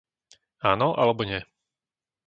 Áno alebo nie?